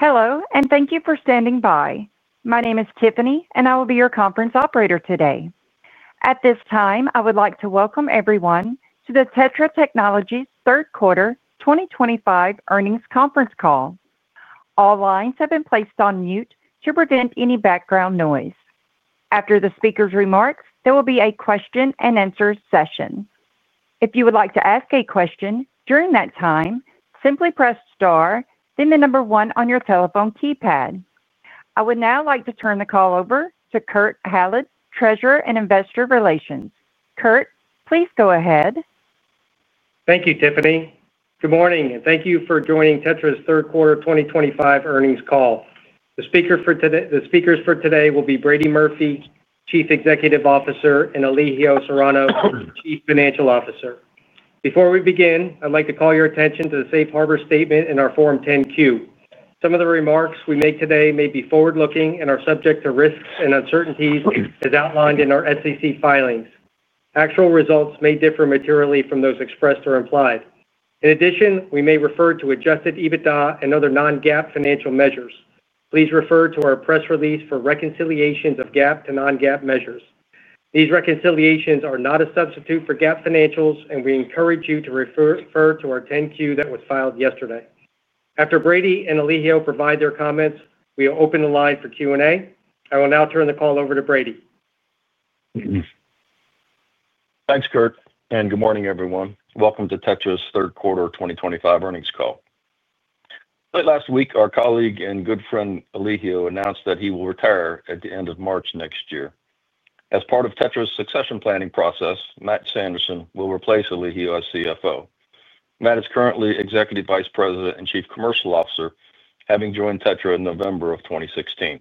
Hello, and thank you for standing by. My name is Tiffany, and I will be your conference operator today. At this time, I would like to welcome everyone to the TETRA Technologies third quarter 2025 earnings conference call. All lines have been placed on mute to prevent any background noise. After the speaker's remarks, there will be a question-and-answer session. If you would like to ask a question during that time, simply press star, then the number one on your telephone keypad. I would now like to turn the call over to Kurt Hallead, Treasurer and Investor Relations. Kurt, please go ahead. Thank you, Tiffany. Good morning, and thank you for joining TETRA Technologies' third quarter 2025 earnings call. The speakers for today will be Brady Murphy, Chief Executive Officer, and Elijio Serrano, Chief Financial Officer. Before we begin, I'd like to call your attention to the Safe Harbor Statement in our Form 10-Q. Some of the remarks we make today may be forward-looking and are subject to risks and uncertainties as outlined in our SEC filings. Actual results may differ materially from those expressed or implied. In addition, we may refer to adjusted EBITDA and other non-GAAP financial measures. Please refer to our press release for reconciliations of GAAP to non-GAAP measures. These reconciliations are not a substitute for GAAP financials, and we encourage you to refer to our 10-Q that was filed yesterday. After Brady and Elijio provide their comments, we will open the line for Q&A. I will now turn the call over to Brady. Thanks, Kurt, and good morning, everyone. Welcome to TETRA Technologies' third quarter 2025 earnings call. Late last week, our colleague and good friend Elijio announced that he will retire at the end of March next year. As part of TETRA Technologies' succession planning process, Matthew Sanderson will replace Elijio as CFO. Matthew is currently Executive Vice President and Chief Commercial Officer, having joined TETRA Technologies in November of 2016.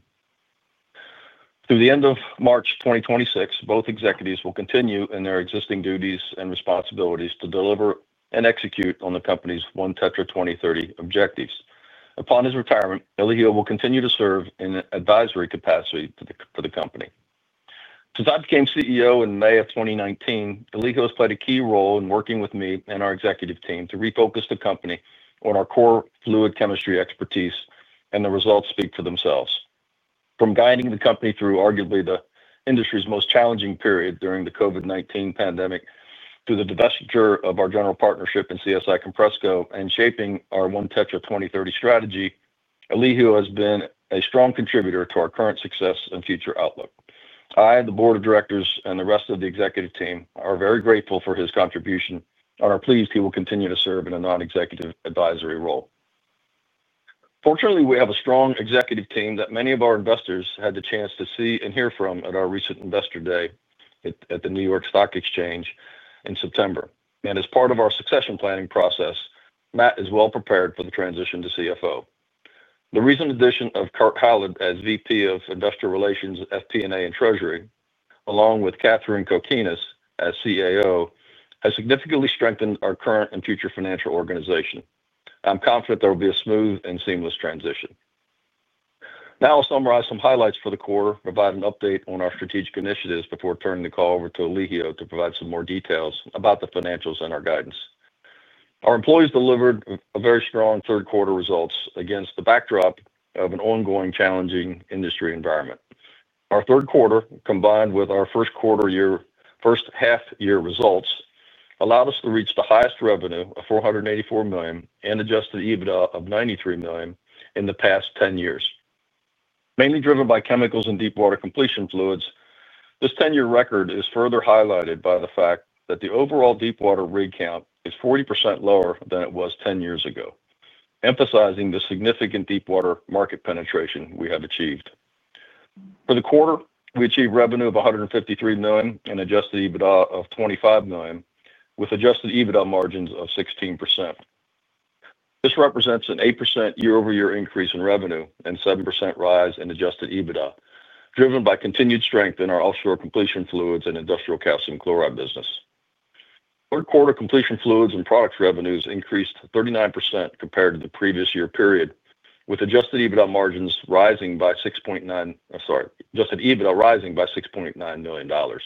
Through the end of March 2026, both executives will continue in their existing duties and responsibilities to deliver and execute on the company's One TETRA 2030 objectives. Upon his retirement, Elijio will continue to serve in an advisory capacity for the company. Since I became CEO in May of 2019, Elijio has played a key role in working with me and our executive team to refocus the company on our core fluid chemistry expertise, and the results speak for themselves. From guiding the company through arguably the industry's most challenging period during the COVID-19 pandemic, through the divestiture of our general partnership in CSI Compresco and shaping our One TETRA 2030 strategy, Elijio has been a strong contributor to our current success and future outlook. I, the board of directors, and the rest of the executive team are very grateful for his contribution and are pleased he will continue to serve in a non-executive advisory role. Fortunately, we have a strong executive team that many of our investors had the chance to see and hear from at our recent Investor Day at the New York Stock Exchange in September. As part of our succession planning process, Matthew is well prepared for the transition to CFO. The recent addition of Kurt Hallead as VP of Investor Relations, FP&A, and Treasury, along with Katherine Kokenes as CAO, has significantly strengthened our current and future financial organization. I'm confident there will be a smooth and seamless transition. Now, I'll summarize some highlights for the quarter, provide an update on our strategic initiatives before turning the call over to Elijio to provide some more details about the financials and our guidance. Our employees delivered very strong third-quarter results against the backdrop of an ongoing challenging industry environment. Our third quarter, combined with our first half-year results, allowed us to reach the highest revenue of $484 million and Adjusted EBITDA of $93 million in the past 10 years. Mainly driven by chemicals and deepwater completion fluids, this 10-year record is further highlighted by the fact that the overall deepwater rig count is 40% lower than it was 10 years ago, emphasizing the significant deepwater market penetration we have achieved. For the quarter, we achieved revenue of $153 million and adjusted EBITDA of $25 million, with Adjusted EBITDA margins of 16%. This represents an 8% year-over-year increase in revenue and a 7% rise in Adjusted EBITDA, driven by continued strength in our offshore completion fluids and industrial calcium chloride business. Third quarter completion fluids and products revenues increased 39% compared to the previous year period, with Adjusted EBITDA margins rising by $6.9 million.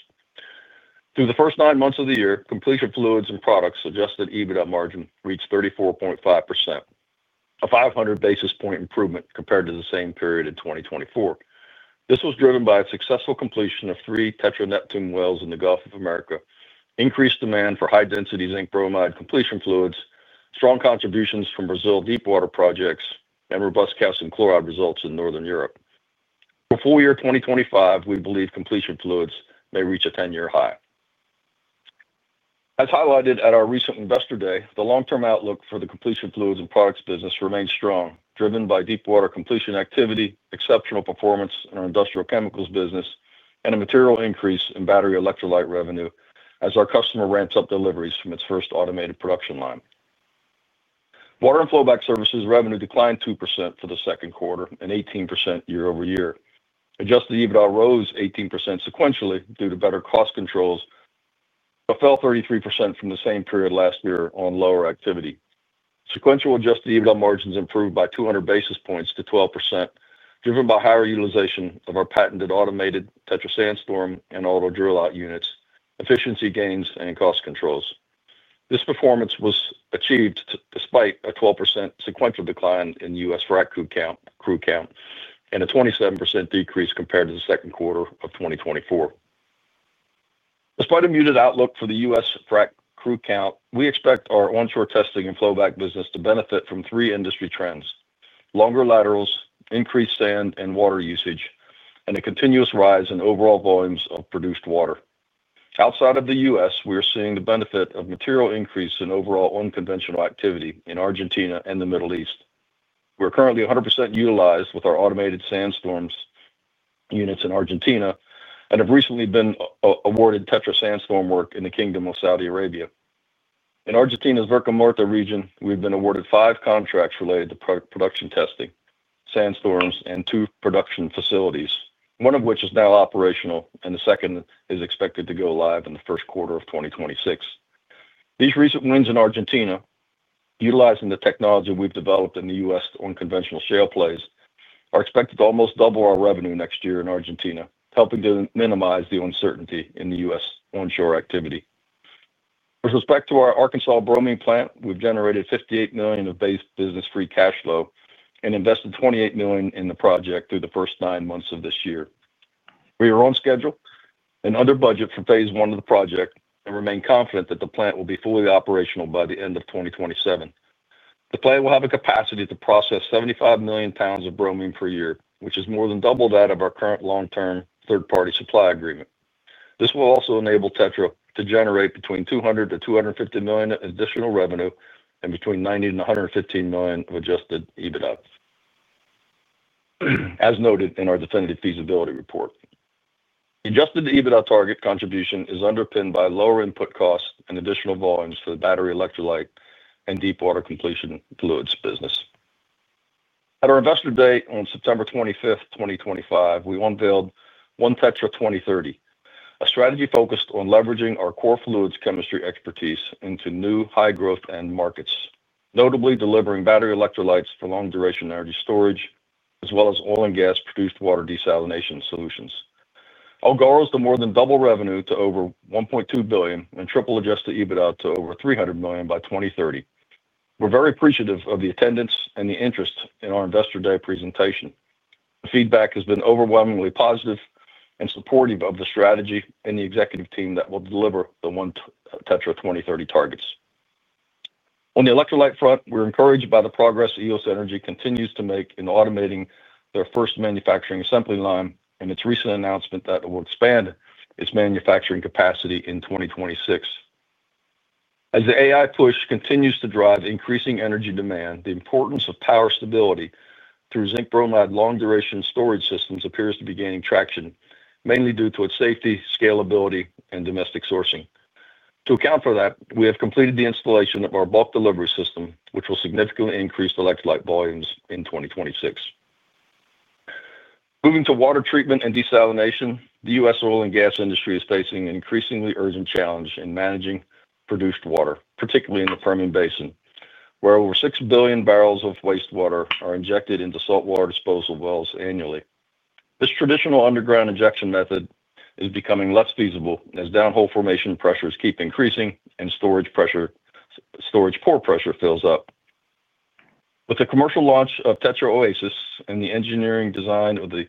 Through the first nine months of the year, completion fluids and products adjusted EBITDA margin reached 34.5%, a 500 basis point improvement compared to the same period in 2024. This was driven by a successful completion of three TETRA Neptune wells in the Gulf of America, increased demand for high-density zinc bromide completion fluids, strong contributions from Brazil deepwater projects, and robust calcium chloride results in Northern Europe. For full year 2025, we believe completion fluids may reach a 10-year high. As highlighted at our recent Investor Day, the long-term outlook for the completion fluids and products business remains strong, driven by deepwater completion activity, exceptional performance in our industrial chemicals business, and a material increase in battery electrolyte revenue as our customer ramps up deliveries from its first automated production line. Water and flowback services revenue declined 2% for the second quarter and 18% year-over-year. Adjusted EBITDA rose 18% sequentially due to better cost controls, but fell 33% from the same period last year on lower activity. Sequential Adjusted EBITDA margins improved by 200 basis points to 12%, driven by higher utilization of our patented automated TETRA Sandstorm and auto drill-out units, efficiency gains, and cost controls. This performance was achieved despite a 12% sequential decline in the U.S. frack crew count and a 27% decrease compared to the second quarter of 2024. Despite a muted outlook for the U.S. frack crew count, we expect our onshore testing and flowback business to benefit from three industry trends: longer laterals, increased sand and water usage, and a continuous rise in overall volumes of produced water. Outside of the U.S., we are seeing the benefit of material increase in overall unconventional activity in Argentina and the Middle East. We are currently 100% utilized with our automated SandStorm units in Argentina and have recently been awarded TETRA SandStorm work in the Kingdom of Saudi Arabia. In Argentina's Vaca Muerta region, we've been awarded five contracts related to production testing, SandStorms, and two production facilities, one of which is now operational and the second is expected to go live in the first quarter of 2026. These recent wins in Argentina, utilizing the technology we've developed in the U.S. on unconventional shale plays, are expected to almost double our revenue next year in Argentina, helping to minimize the uncertainty in the U.S. onshore activity. With respect to our Arkansas bromine plant, we've generated $58 million of base business free cash flow and invested $28 million in the project through the first nine months of this year. We are on schedule and under budget for phase one of the project and remain confident that the plant will be fully operational by the end of 2027. The plant will have a capacity to process 75 million pounds of bromine per year, which is more than double that of our current long-term third-party supply agreement. This will also enable TETRA Technologies to generate between $200 million-$250 million in additional revenue and between $90 million-$115 million of Adjusted EBITDA, as noted in our definitive feasibility report. The Adjusted EBITDA target contribution is underpinned by lower input costs and additional volumes for the battery electrolyte and deepwater completion fluids business. At our Investor Day on September 25th, 2025, we unveiled One TETRA 2030, a strategy focused on leveraging our core fluids chemistry expertise into new high-growth end markets, notably delivering battery electrolytes for long-duration energy storage, as well as oil and gas produced water desalination solutions. Our goal is to more than double revenue to over $1.2 billion and triple adjusted EBITDA to over $300 million by 2030. We're very appreciative of the attendance and the interest in our Investor Day presentation. The feedback has been overwhelmingly positive and supportive of the strategy and the executive team that will deliver the One TETRA 2030 targets. On the electrolyte front, we're encouraged by the progress Eos Energy continues to make in automating their first manufacturing assembly line and its recent announcement that it will expand its manufacturing capacity in 2026. As the AI push continues to drive increasing energy demand, the importance of power stability through zinc bromide long-duration storage systems appears to be gaining traction, mainly due to its safety, scalability, and domestic sourcing. To account for that, we have completed the installation of our bulk delivery system, which will significantly increase electrolyte volumes in 2026. Moving to water treatment and desalination, the U.S. oil and gas industry is facing an increasingly urgent challenge in managing produced water, particularly in the Permian Basin, where over 6 billion barrels of wastewater are injected into saltwater disposal wells annually. This traditional underground injection method is becoming less feasible as downhole formation pressures keep increasing and storage pore pressure fills up. With the commercial launch of TETRA Oasis and the engineering design of the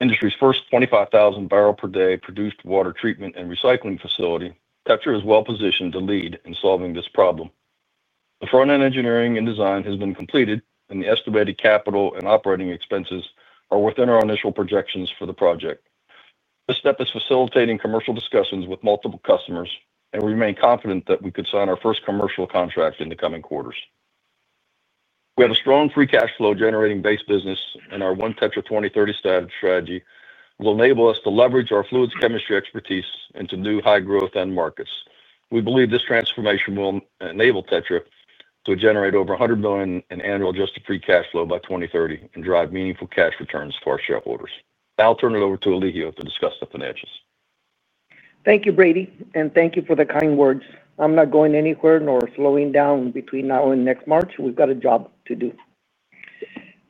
industry's first 25,000 bbl per day produced water treatment and recycling facility, TETRA Technologies is well positioned to lead in solving this problem. The front-end engineering and design has been completed, and the estimated capital and operating expenses are within our initial projections for the project. This step is facilitating commercial discussions with multiple customers, and we remain confident that we could sign our first commercial contract in the coming quarters. We have a strong free cash flow generating base business, and our One TETRA 2030 strategy will enable us to leverage our fluids chemistry expertise into new high-growth end markets. We believe this transformation will enable TETRA Technologies to generate over $100 million in annual adjusted free cash flow by 2030 and drive meaningful cash returns to our shareholders. Now I'll turn it over to Elijio to discuss the financials. Thank you, Brady, and thank you for the kind words. I'm not going anywhere nor slowing down between now and next March. We've got a job to do.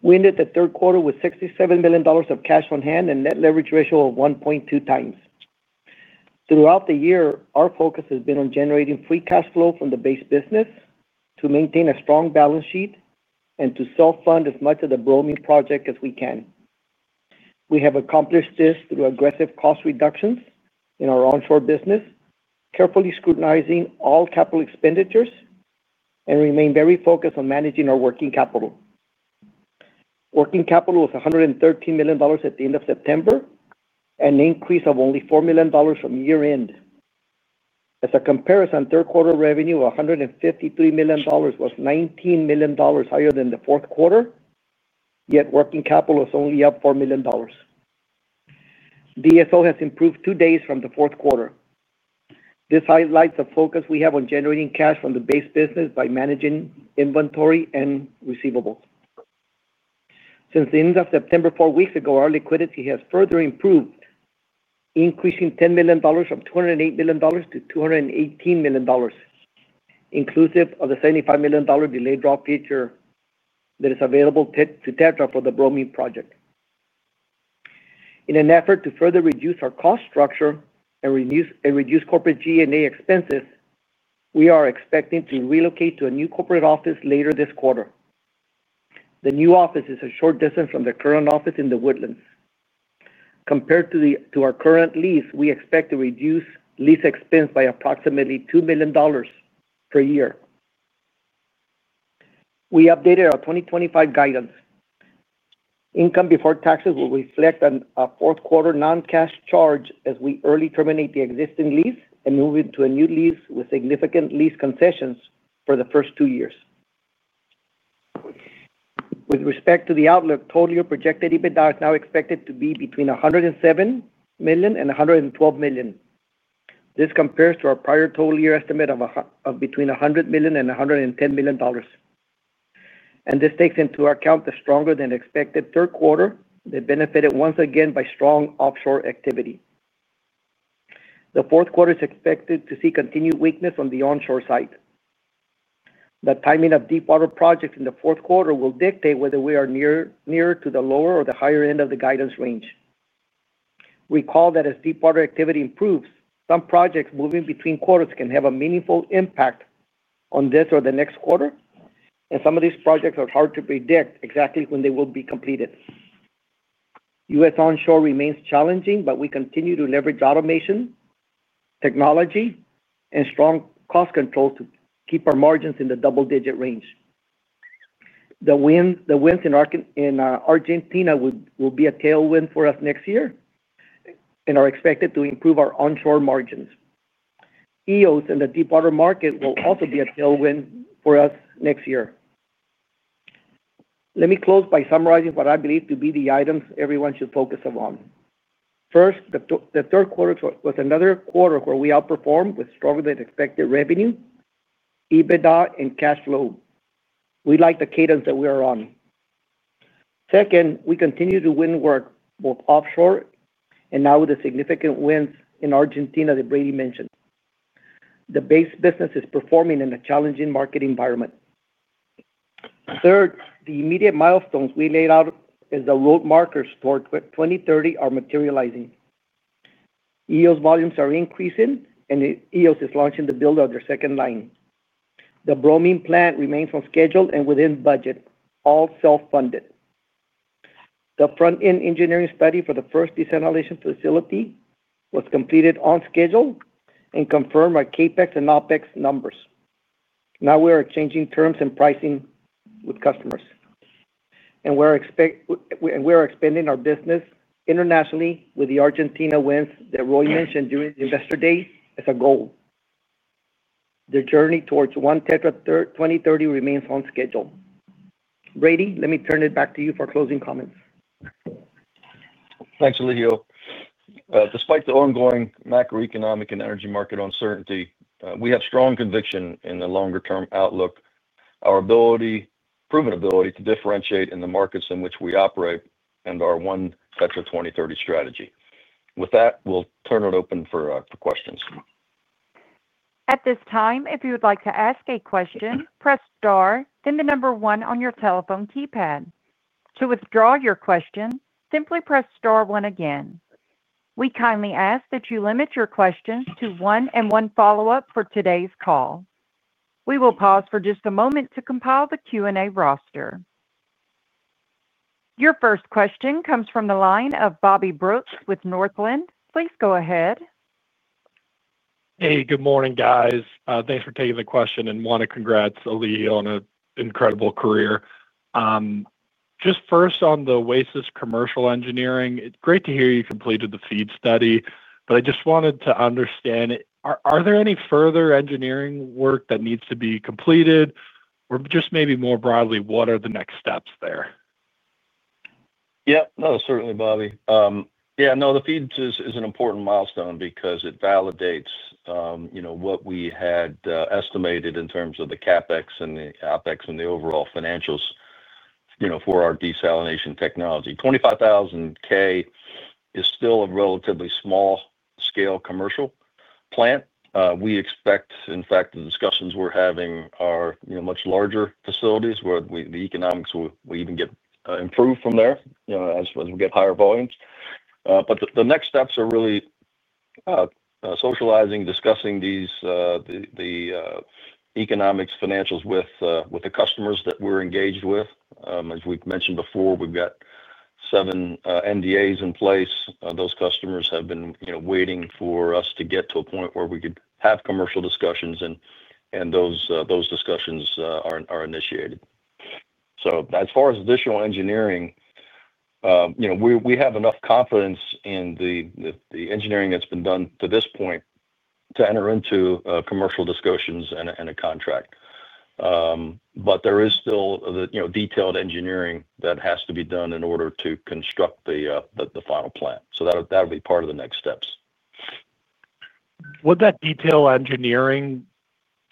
We ended the third quarter with $67 million of cash on hand and a net leverage ratio of 1.2x. Throughout the year, our focus has been on generating free cash flow from the base business to maintain a strong balance sheet and to self-fund as much of the bromine project as we can. We have accomplished this through aggressive cost reductions in our onshore business, carefully scrutinizing all capital expenditures, and remain very focused on managing our working capital. Working capital was $113 million at the end of September, an increase of only $4 million from year-end. As a comparison, third quarter revenue of $153 million was $19 million higher than the fourth quarter, yet working capital is only up $4 million. DSO has improved two days from the fourth quarter. This highlights the focus we have on generating cash from the base business by managing inventory and receivables. Since the end of September, four weeks ago, our liquidity has further improved, increasing $10 million from $208 million to $218 million, inclusive of the $75 million delay draw feature that is available to TETRA for the bromine project. In an effort to further reduce our cost structure and reduce corporate G&A expenses, we are expecting to relocate to a new corporate office later this quarter. The new office is a short distance from the current office in The Woodlands. Compared to our current lease, we expect to reduce lease expense by approximately $2 million per year. We updated our 2025 guidance. Income before taxes will reflect a fourth quarter non-cash charge as we early terminate the existing lease and move into a new lease with significant lease concessions for the first two years. With respect to the outlook, total year projected EBITDA is now expected to be between $107 million and $112 million. This compares to our prior total year estimate of between $100 million and $110 million. This takes into account the stronger than expected third quarter that benefited once again by strong offshore activity. The fourth quarter is expected to see continued weakness on the onshore side. The timing of deepwater projects in the fourth quarter will dictate whether we are near to the lower or the higher end of the guidance range. Recall that as deepwater activity improves, some projects moving between quarters can have a meaningful impact on this or the next quarter, and some of these projects are hard to predict exactly when they will be completed. U.S. onshore remains challenging, but we continue to leverage automation, technology, and strong cost controls to keep our margins in the double-digit range. The wins in Argentina will be a tailwind for us next year and are expected to improve our onshore margins. Eos in the deepwater market will also be a tailwind for us next year. Let me close by summarizing what I believe to be the items everyone should focus upon. First, the third quarter was another quarter where we outperformed with stronger than expected revenue, EBITDA, and cash flow. We like the cadence that we are on. Second, we continue to win work both offshore and now with the significant wins in Argentina that Brady mentioned. The base business is performing in a challenging market environment. Third, the immediate milestones we laid out as the road markers toward 2030 are materializing. Eos volumes are increasing, and Eos is launching the build of their second line. The bromine plant remains on schedule and within budget, all self-funded. The front-end engineering study for the first desalination facility was completed on schedule and confirmed our CapEx and OpEx numbers. Now we are changing terms and pricing with customers, and we are expanding our business internationally with the Argentina wins that Roy McNiven mentioned during the Investor Day as a goal. The journey towards One TETRA 2030 remains on schedule. Brady, let me turn it back to you for closing comments. Thanks, Elijio. Despite the ongoing macroeconomic and energy market uncertainty, we have strong conviction in the longer-term outlook, our proven ability to differentiate in the markets in which we operate, and our One TETRA 2030 strategy. With that, we'll turn it open for questions. At this time, if you would like to ask a question, press star, then the number one on your telephone keypad. To withdraw your question, simply press star one again. We kindly ask that you limit your question to one and one follow-up for today's call. We will pause for just a moment to compile the Q&A roster. Your first question comes from the line of Bobby Brooks with Northland. Please go ahead. Hey, good morning, guys. Thanks for taking the question and want to congrats Elijio on an incredible career. Just first on the Oasis Commercial Engineering, it's great to hear you completed the FEED study, but I just wanted to understand, are there any further engineering work that needs to be completed? Or just maybe more broadly, what are the next steps there? Yeah, no, certainly, Bobby. I know the FEED is an important milestone because it validates what we had estimated in terms of the CapEx and the OpEx and the overall financials for our desalination technology. 25,000K is still a relatively small-scale commercial plant. We expect, in fact, the discussions we're having are much larger facilities where the economics will even get improved from there as we get higher volumes. The next steps are really socializing, discussing these economics, financials with the customers that we're engaged with. As we've mentioned before, we've got seven NDAs in place. Those customers have been waiting for us to get to a point where we could have commercial discussions, and those discussions are initiated. As far as additional engineering, we have enough confidence in the engineering that's been done to this point to enter into commercial discussions and a contract. There is still the detailed engineering that has to be done in order to construct the final plant. That'll be part of the next steps. Would that detailed engineering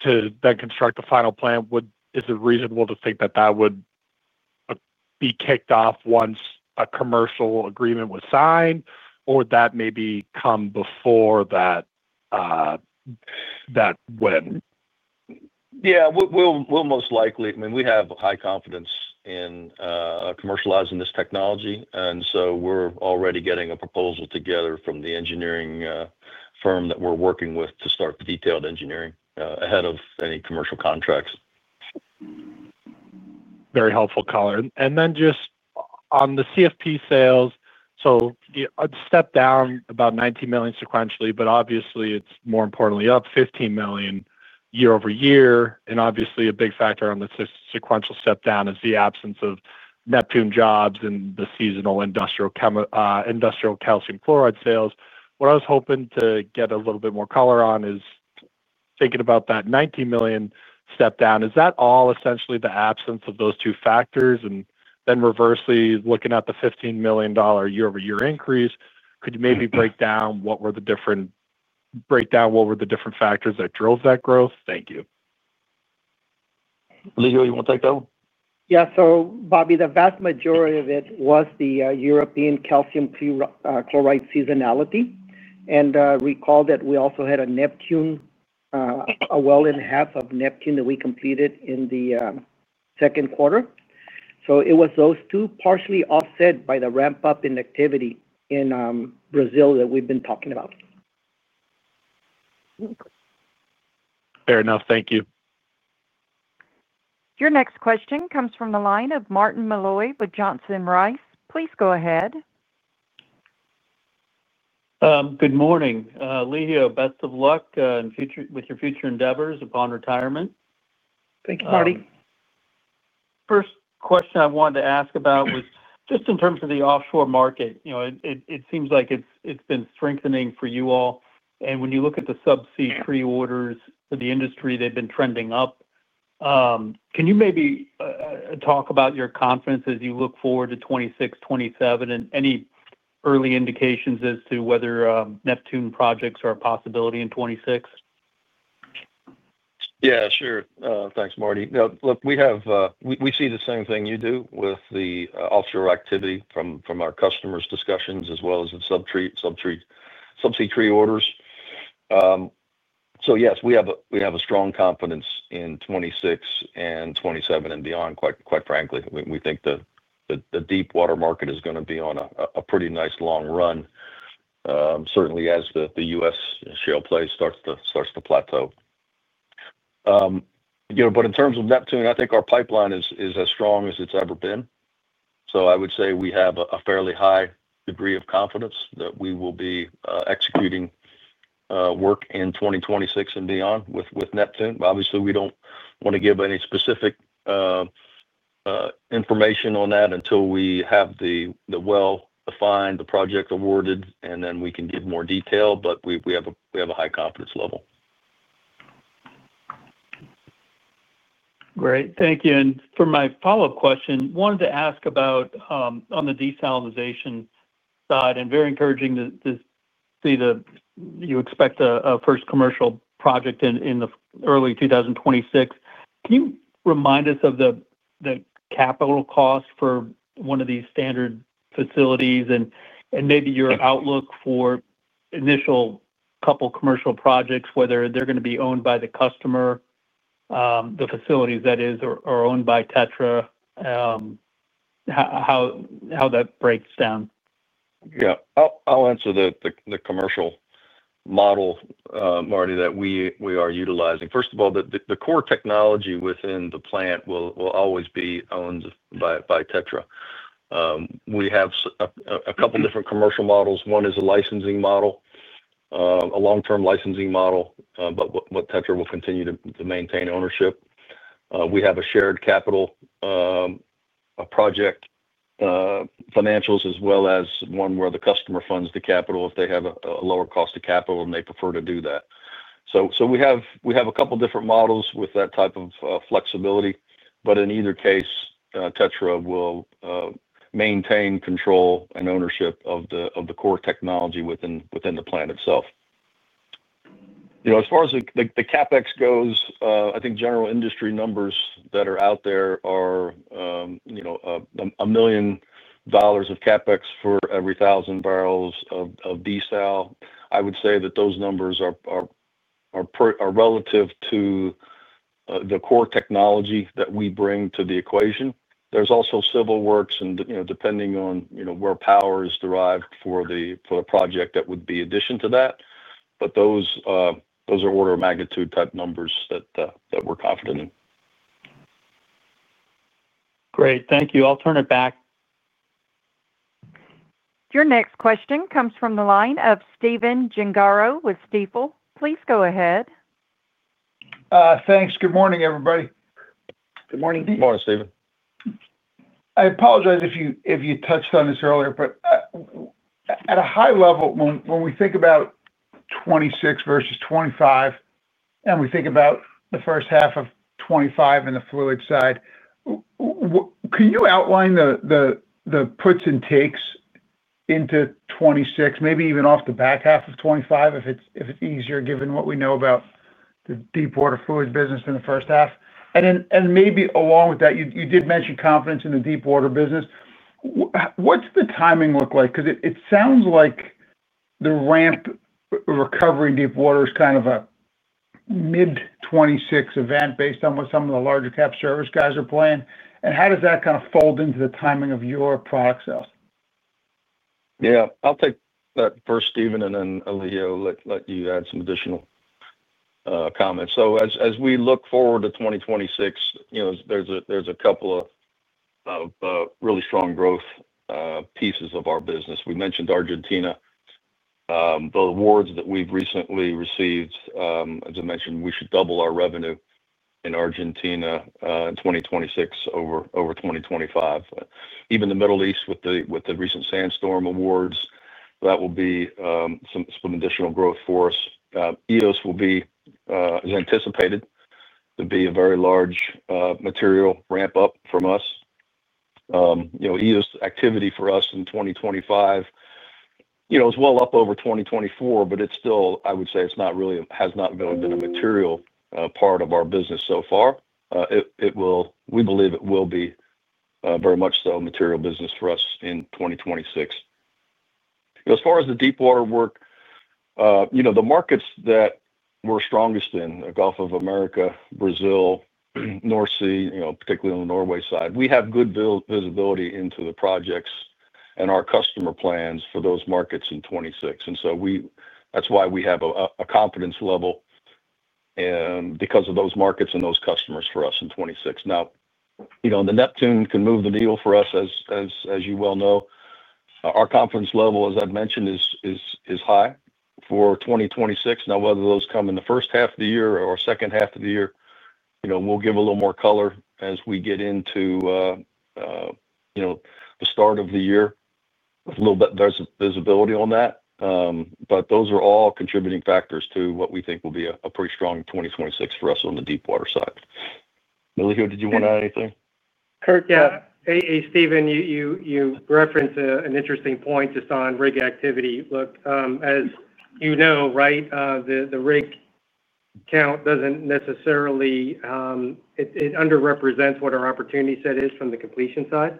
to then construct the final plan, is it reasonable to think that would be kicked off once a commercial agreement was signed, or would that maybe come before that win? Yeah, we’ll most likely, I mean, we have high confidence in commercializing this technology. We’re already getting a proposal together from the engineering firm that we’re working with to start the detailed engineering ahead of any commercial contracts. Very helpful, Colin. Just on the CFP sales, a step down about $19 million sequentially, but obviously, it's more importantly up $15 million year-over-year. A big factor on the sequential step down is the absence of Neptune jobs and the seasonal industrial calcium chloride sales. What I was hoping to get a little bit more color on is thinking about that $19 million step down. Is that all essentially the absence of those two factors? Reversely, looking at the $15 million year-over-year increase, could you maybe break down what were the different factors that drove that growth? Thank you. Elijio, you want to take that one? Yeah. Bobby, the vast majority of it was the European calcium chloride seasonality. Recall that we also had a Neptune, a well and a half of TETRA Neptune that we completed in the second quarter. It was those two, partially offset by the ramp-up in activity in Brazil that we've been talking about. Fair enough. Thank you. Your next question comes from the line of Martin Malloy with Johnson Rice. Please go ahead. Good morning. Elijio, best of luck with your future endeavors upon retirement. Thank you, Marty. First question I wanted to ask about was just in terms of the offshore market. It seems like it's been strengthening for you all. When you look at the subsea pre-orders for the industry, they've been trending up. Can you maybe talk about your confidence as you look forward to 2026, 2027, and any early indications as to whether TETRA Neptune projects are a possibility in 2026? Yeah, sure. Thanks, Marty. We see the same thing you do with the offshore activity from our customers' discussions as well as the subsea pre-orders. Yes, we have a strong confidence in 2026 and 2027 and beyond, quite frankly. We think the deepwater market is going to be on a pretty nice long run, certainly as the U.S. shale play starts to plateau. In terms of Neptune, I think our pipeline is as strong as it's ever been. I would say we have a fairly high degree of confidence that we will be executing work in 2026 and beyond with Neptune. Obviously, we don't want to give any specific information on that until we have the well defined, the project awarded, and then we can give more detail. We have a high confidence level. Thank you. For my follow-up question, I wanted to ask about on the desalination side. It is very encouraging to see that you expect a first commercial project in early 2026. Can you remind us of the capital cost for one of these standard facilities and maybe your outlook for the initial couple of commercial projects, whether they're going to be owned by the customer or facilities that are owned by TETRA, how that breaks down? Yeah, I'll answer the commercial model, Marty, that we are utilizing. First of all, the core technology within the plant will always be owned by TETRA. We have a couple of different commercial models. One is a licensing model, a long-term licensing model, but TETRA will continue to maintain ownership. We have a shared capital project financials as well as one where the customer funds the capital if they have a lower cost of capital and they prefer to do that. We have a couple of different models with that type of flexibility. In either case, TETRA will maintain control and ownership of the core technology within the plant itself. As far as the CapEx goes, I think general industry numbers that are out there are, you know, $1 million of CapEx for every 1,000 bbl of desal. I would say that those numbers are relative to the core technology that we bring to the equation. There's also civil works and, depending on where power is derived for the project, that would be in addition to that. Those are order of magnitude type numbers that we're confident in. Great, thank you. I'll turn it back. Your next question comes from the line of Steven Gengaro with Stifel. Please go ahead. Thanks. Good morning, everybody. Good morning. Morning, Steve. I apologize if you touched on this earlier, but at a high level, when we think about 2026 versus 2025 and we think about the first half of 2025 in the fluid side, can you outline the puts and takes into 2026, maybe even off the back half of 2025 if it's easier given what we know about the deepwater fluid business in the first half? Along with that, you did mention confidence in the deepwater business. What's the timing look like? It sounds like the ramp recovery in deepwater is kind of a mid-2026 event based on what some of the larger cap service guys are playing. How does that kind of fold into the timing of your product sales? Yeah, I'll take that first, Steven, and then Elijio, let you add some additional comments. As we look forward to 2026, there's a couple of really strong growth pieces of our business. We mentioned Argentina. The awards that we've recently received, as I mentioned, we should double our revenue in Argentina in 2026 over 2025. Even the Middle East with the recent Sandstorm awards, that will be some additional growth for us. Eos will be, as anticipated, a very large material ramp-up for us. Eos activity for us in 2025 is well up over 2024, but it's still, I would say, it has not really been a material part of our business so far. We believe it will be very much a material business for us in 2026. As far as the deepwater work, the markets that we're strongest in, the Gulf of America, Brazil, North Sea, particularly on the Norway side, we have good visibility into the projects and our customer plans for those markets in 2026. That's why we have a confidence level because of those markets and those customers for us in 2026. The TETRA Neptune can move the needle for us, as you well know. Our confidence level, as I've mentioned, is high for 2026. Whether those come in the first half of the year or second half of the year, we'll give a little more color as we get into the start of the year with a little bit better visibility on that. Those are all contributing factors to what we think will be a pretty strong 2026 for us on the deepwater side. Elijio, did you want to add anything? Kurt, yeah. Hey, Steven, you referenced an interesting point just on rig activity. As you know, the rig count doesn't necessarily, it underrepresents what our opportunity set is from the completion side.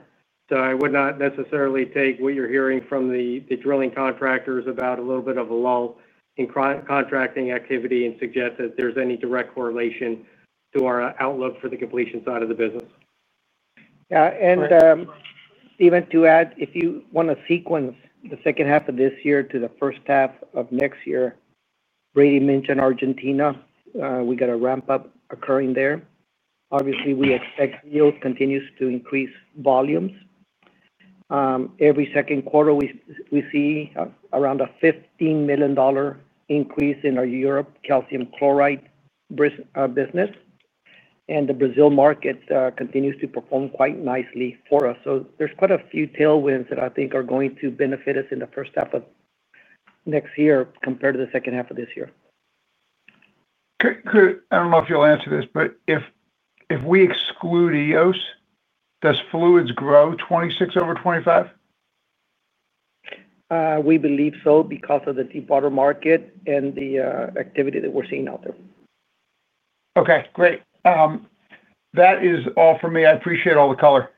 I would not necessarily take what you're hearing from the drilling contractors about a little bit of a lull in contracting activity and suggest that there's any direct correlation to our outlook for the completion side of the business. Yeah. Steven, to add, if you want to sequence the second half of this year to the first half of next year, Brady mentioned Argentina. We got a ramp-up occurring there. Obviously, we expect yield continues to increase volumes. Every second quarter, we see around a $15 million increase in our Europe calcium chloride business. The Brazil market continues to perform quite nicely for us. There are quite a few tailwinds that I think are going to benefit us in the first half of next year compared to the second half of this year. Kurt, I don't know if you'll answer this, but if we exclude Eos, does fluids grow 2026 over 2025? We believe so because of the deepwater market and the activity that we're seeing out there. Okay, great. That is all for me. I appreciate all the color.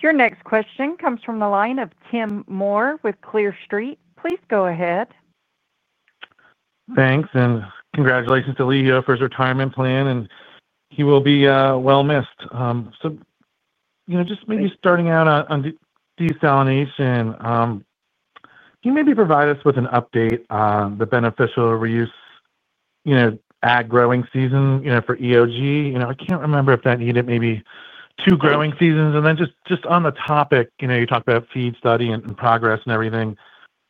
Your next question comes from the line of Tim Moore with Clear Street. Please go ahead. Thanks, and congratulations to Elijio for his retirement plan, and he will be well missed. Just maybe starting out on desalination, can you maybe provide us with an update on the beneficial reuse, you know, ag growing season, you know, for EoG? I can't remember if that needed maybe two growing seasons. On the topic, you talked about feed study and progress and everything.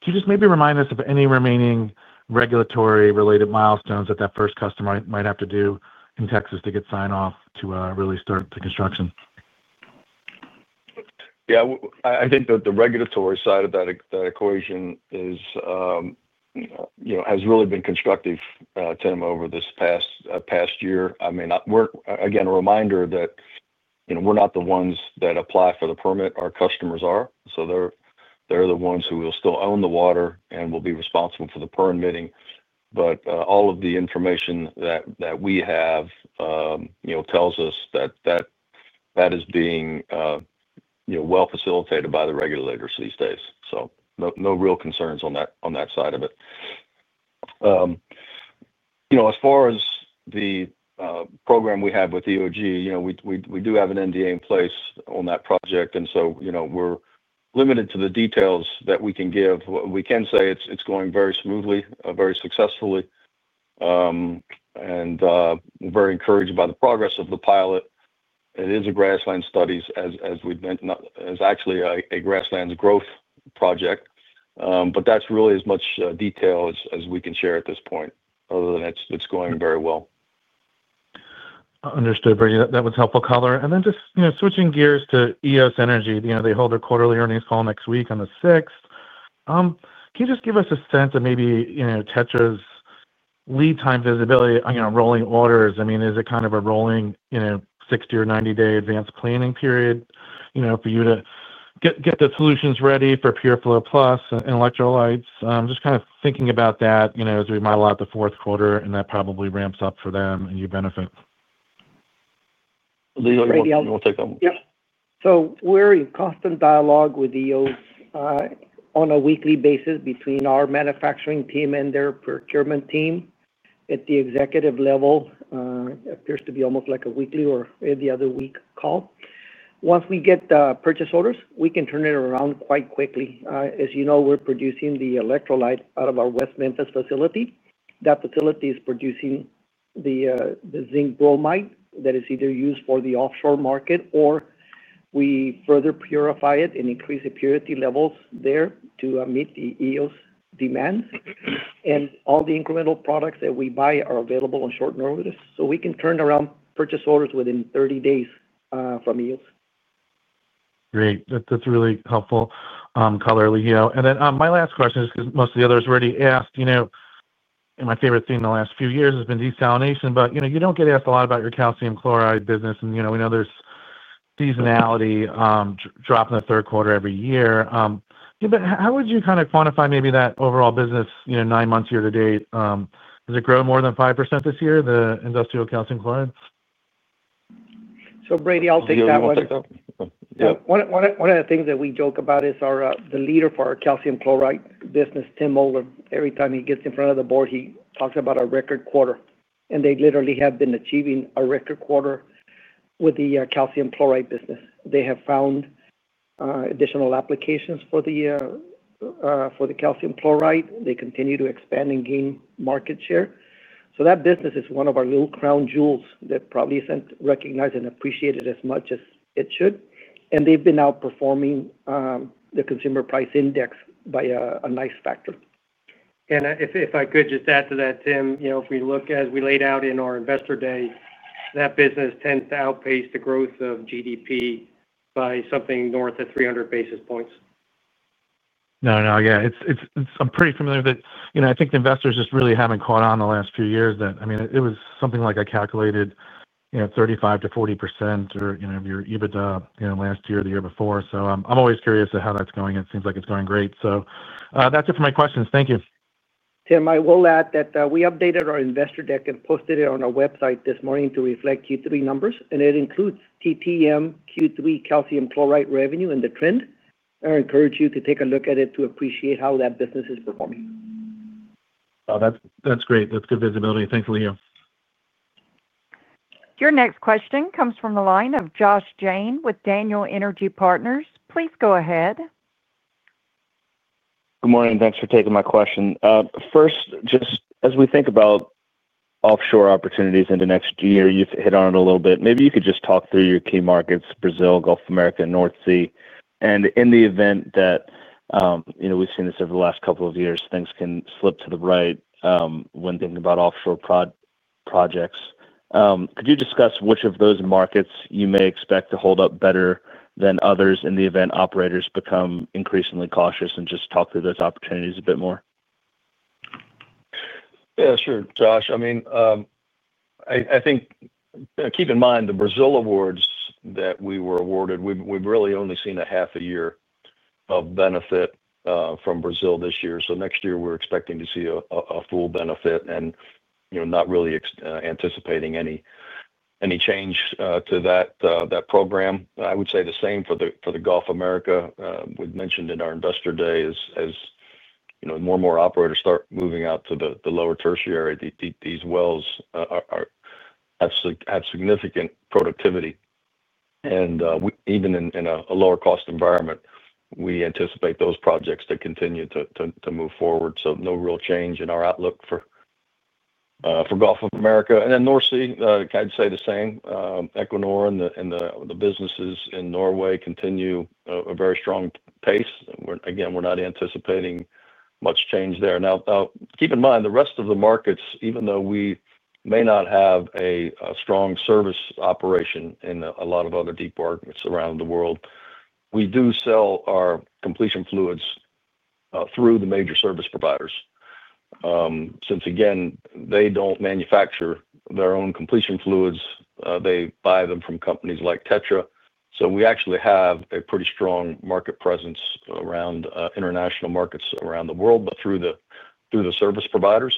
Can you just maybe remind us of any remaining regulatory-related milestones that that first customer might have to do in Texas to get signed off to really start the construction? Yeah, I think the regulatory side of that equation has really been constructive to him over this past year. A reminder that we're not the ones that apply for the permit. Our customers are. They're the ones who will still own the water and will be responsible for the permitting. All of the information that we have tells us that is being well facilitated by the regulators these days. No real concerns on that side of it. As far as the program we have with EoG, we do have an NDA in place on that project, so we're limited to the details that we can give. We can say it's going very smoothly, very successfully, and we're very encouraged by the progress of the pilot. It is a grasslands study, actually a grasslands growth project, but that's really as much detail as we can share at this point, other than it's going very well. Understood, Brady. That was helpful, Colin. Switching gears to Eos Energy, they hold their quarterly earnings call next week on the 6th. Can you give us a sense of maybe TETRA's lead time visibility on rolling orders? Is it kind of a rolling 60 or 90-day advanced planning period for you to get the solutions ready for PureFlow Plus and electrolytes? I'm just thinking about that as we might allow the fourth quarter, and that probably ramps up for them and you benefit. Yeah. We are in constant dialogue with Eos on a weekly basis between our manufacturing team and their procurement team at the executive level. It appears to be almost like a weekly or every other week call. Once we get the purchase orders, we can turn it around quite quickly. As you know, we are producing the electrolyte out of our West Memphis facility. That facility is producing the zinc bromide that is either used for the offshore market, or we further purify it and increase the purity levels there to meet the Eos demands. All the incremental products that we buy are available on short notice. We can turn around purchase orders within 30 days from Eos. Great. That's really helpful, Colin, Elijio. My last question is because most of the others have already asked, you know, my favorite theme in the last few years has been desalination, but you know, you don't get asked a lot about your calcium chloride business. You know, we know there's seasonality dropping the third quarter every year. How would you kind of quantify maybe that overall business, you know, nine months year to date? Has it grown more than 5% this year, the industrial calcium chloride? I'll take that one. One of the things that we joke about is the leader for our calcium chloride business, Tim Moler. Every time he gets in front of the board, he talks about a record quarter. They literally have been achieving a record quarter with the calcium chloride business. They have found additional applications for the calcium chloride. They continue to expand and gain market share. That business is one of our little crown jewels that probably isn't recognized and appreciated as much as it should. They've been outperforming the consumer price index by a nice factor. If I could just add to that, Tim, you know, if we look as we laid out in our Investor Day, that business tends to outpace the growth of GDP by something north of 300 basis points. Yeah, I'm pretty familiar with it. I think investors just really haven't caught on the last few years that, I mean, it was something like I calculated, you know, 35%-40% of your EBITDA last year or the year before. I'm always curious to how that's going. It seems like it's going great. That's it for my questions. Thank you. Tim, I will add that we updated our Investor Deck and posted it on our website this morning to reflect Q3 numbers. It includes TPM Q3 calcium chloride revenue and the trend. I encourage you to take a look at it to appreciate how that business is performing. Oh, that's great. That's good visibility. Thanks, Elijio. Your next question comes from the line of Josh Jayne with Daniel Energy Partners. Please go ahead. Good morning. Thanks for taking my question. First, just as we think about offshore opportunities in the next year, you've hit on it a little bit. Maybe you could just talk through your key markets: Brazil, Gulf of America, and North Sea. In the event that, you know, we've seen this over the last couple of years, things can slip to the right when thinking about offshore projects. Could you discuss which of those markets you may expect to hold up better than others in the event operators become increasingly cautious and just talk through those opportunities a bit more? Yeah, sure, Josh. I mean, I think keep in mind the Brazil awards that we were awarded, we've really only seen a half a year of benefit from Brazil this year. Next year, we're expecting to see a full benefit and, you know, not really anticipating any change to that program. I would say the same for the Gulf of America. We mentioned in our Investor Day as, you know, more and more operators start moving out to the lower tertiary, these wells have significant productivity. Even in a lower cost environment, we anticipate those projects to continue to move forward. No real change in our outlook for Gulf of America. North Sea, I'd say the same. Equinor and the businesses in Norway continue a very strong pace. Again, we're not anticipating much change there. Now, keep in mind the rest of the markets, even though we may not have a strong service operation in a lot of other deepwater markets around the world, we do sell our completion fluids through the major service providers, since, again, they don't manufacture their own completion fluids. They buy them from companies like TETRA. We actually have a pretty strong market presence around international markets around the world, but through the service providers.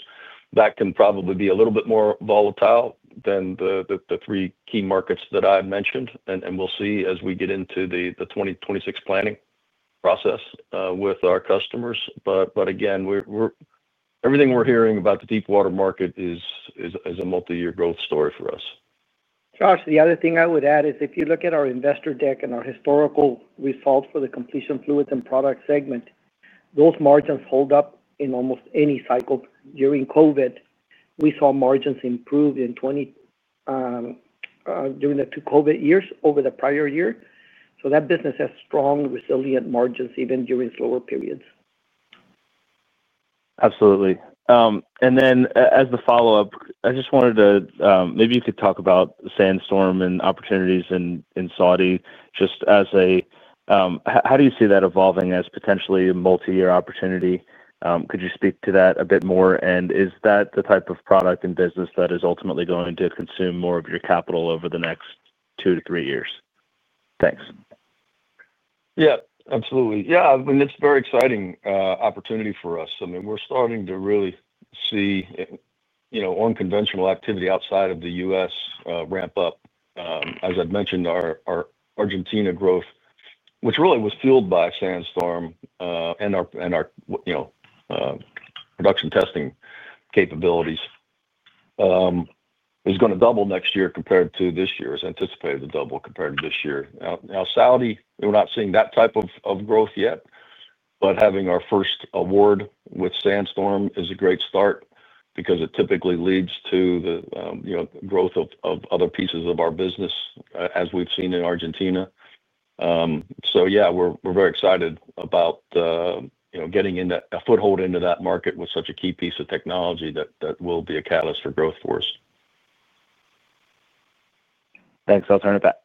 That can probably be a little bit more volatile than the three key markets that I've mentioned. We'll see as we get into the 2026 planning process with our customers. Again, everything we're hearing about the deepwater market is a multi-year growth story for us. Josh, the other thing I would add is if you look at our Investor Deck and our historical results for the completion fluids and product segment, those margins hold up in almost any cycle. During COVID, we saw margins improve during the two COVID years over the prior year. That business has strong, resilient margins even during slower periods. Absolutely. As the follow-up, I just wanted to maybe you could talk about Sandstorm and opportunities in Saudi just as a, how do you see that evolving as potentially a multi-year opportunity? Could you speak to that a bit more? Is that the type of product and business that is ultimately going to consume more of your capital over the next two to three years? Thanks. Yeah, absolutely. I mean, it's a very exciting opportunity for us. I mean, we're starting to really see unconventional activity outside of the U.S. ramp up. As I'd mentioned, our Argentina growth, which really was fueled by Sandstorm and our production testing capabilities, is going to double next year compared to this year. It's anticipated to double compared to this year. Now, Saudi, we're not seeing that type of growth yet, but having our first award with Sandstorm is a great start because it typically leads to the growth of other pieces of our business as we've seen in Argentina. Yeah, we're very excited about getting a foothold into that market with such a key piece of technology that will be a catalyst for growth for us. Thanks. I'll turn it back.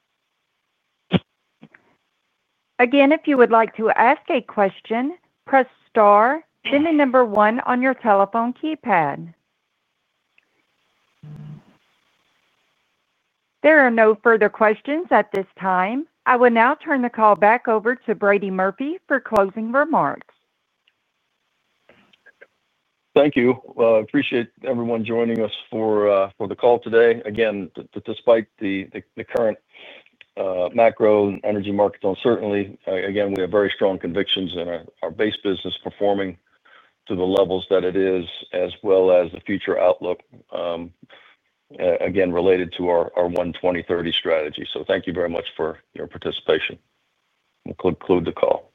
Again, if you would like to ask a question, press star, then the number one on your telephone keypad. There are no further questions at this time. I will now turn the call back over to Brady Murphy for closing remarks. Thank you. I appreciate everyone joining us for the call today. Despite the current macro and energy markets uncertainty, we have very strong convictions in our base business performing to the levels that it is, as well as the future outlook related to our One 2030 strategy. Thank you very much for your participation. We'll conclude the call.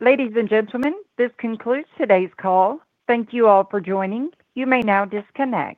Ladies and gentlemen, this concludes today's call. Thank you all for joining. You may now disconnect.